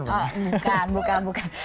bukan bukan bukan